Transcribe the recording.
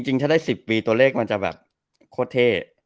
จริงถ้าได้๑๐ปีตัวเลขมันจะแบบโคตรเท่